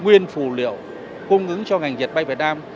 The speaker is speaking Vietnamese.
nguyên phù liệu cung ứng cho ngành diệt may việt nam